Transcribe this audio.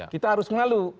kita harus mengaluh